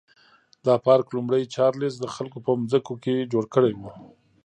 دا پارک لومړي چارلېز د خلکو په ځمکو کې جوړ کړی و.